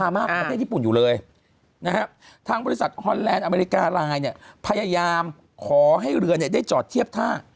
ฟิลิปปิน์ก็ปฏิเสธ